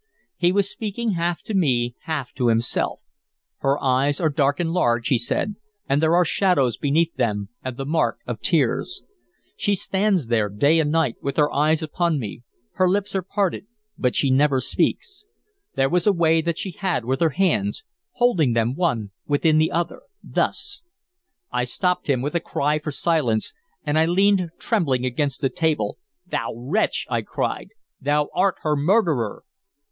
He was speaking half to me, half to himself. "Her eyes are dark and large," he said, "and there are shadows beneath them, and the mark of tears. She stands there day and night with her eyes upon me. Her lips are parted, but she never speaks. There was a way that she had with her hands, holding them one within the other, thus" I stopped him with a cry for silence, and I leaned trembling against the table. "Thou wretch!" I cried. "Thou art her murderer!"